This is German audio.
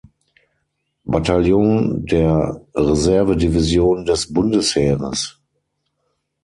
Bataillon der Reservedivision des Bundesheeres.